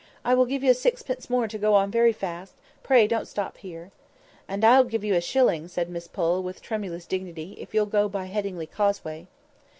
I will give you sixpence more to go on very fast; pray don't stop here." "And I'll give you a shilling," said Miss Pole, with tremulous dignity, "if you'll go by Headingley Causeway."